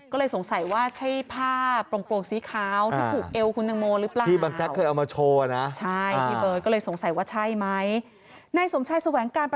ก็เลยสงสัยว่าใช่ผ้าโปร่งสีขาว